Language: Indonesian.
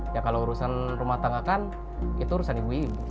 ya kalau urusan rumah tanggakan itu urusan ibu ibu